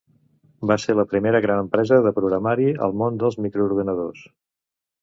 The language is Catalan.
Va ser la primera gran empresa de programari al món dels microordinadors.